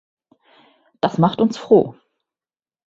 Das macht uns froh!